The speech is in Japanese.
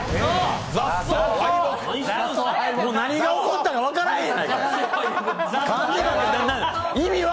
もう何が起こったか分からんわ。